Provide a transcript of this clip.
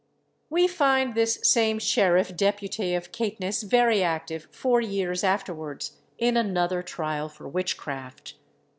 We find this same sheriff depute of Caithness very active four years afterwards in another trial for witchcraft.